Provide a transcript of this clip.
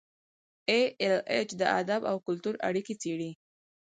ای ایل ایچ د ادب او کلتور اړیکې څیړي.